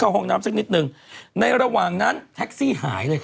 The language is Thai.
ห้องน้ำสักนิดหนึ่งในระหว่างนั้นแท็กซี่หายเลย